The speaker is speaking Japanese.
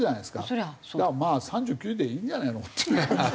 だからまあ３９位でいいんじゃないの？っていう。